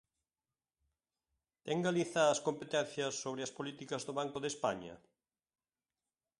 ¿Ten Galiza as competencias sobre as políticas do Banco de España?